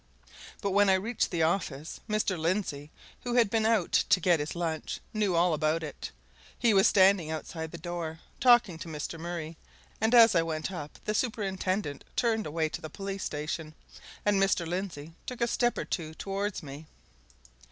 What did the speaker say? But when I reached the office, Mr. Lindsey, who had been out to get his lunch, knew all about it. He was standing outside the door, talking to Mr. Murray, and as I went up the superintendent turned away to the police station, and Mr. Lindsey took a step or two towards me.